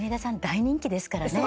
大人気ですからね。